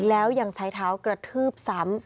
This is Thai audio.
แล้วยังใช้เท้ากระทืบซ้ำ